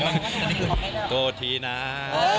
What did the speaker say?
เอ่อมันก็คือโทษทีน้า